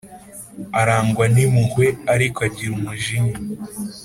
arangwa n’impuhwe, ariko agira n’umujinya,